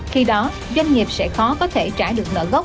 khi đó doanh nghiệp sẽ khó có thể trả được nợ gốc